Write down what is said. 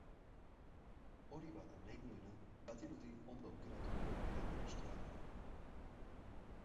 Hori bada nahi duena, badirudi ondo aukeratu duela lehen ministroa.